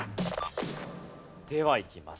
ではいきます。